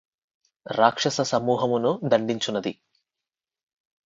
రాక్షస సమూహమును దండించునది